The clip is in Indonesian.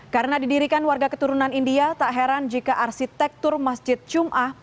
karena didirikan warga keturunan india tak heran jika arsitektur masjid jum'ah